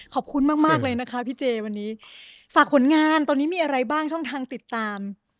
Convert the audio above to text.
ขอบคุณมากมากเลยนะคะพี่เจวันนี้ฝากผลงานตอนนี้มีอะไรบ้างช่องทางติดตาม